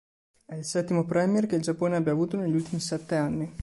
È il settimo premier che il Giappone abbia avuto negli ultimi sette anni.